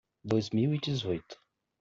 Dois mil e dezoito.